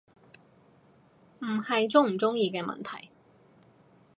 唔係鍾唔鍾意嘅問題